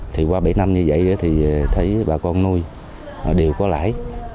thì qua bảy năm như vậy thì thấy bà con nuôi đều có lãi